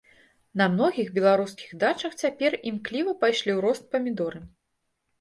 На многіх беларускіх дачах цяпер імкліва пайшлі ў рост памідоры.